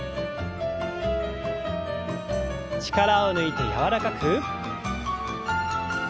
力を抜いて柔らかく。